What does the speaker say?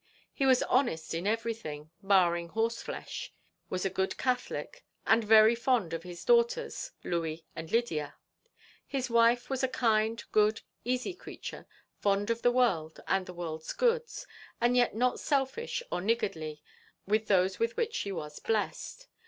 He was honest in everything, barring horse flesh; was a good Catholic, and very fond of his daughters Louey and Lydia. His wife was a kind, good, easy creature, fond of the world and the world's goods, and yet not selfish or niggardly with those with which she was blessed.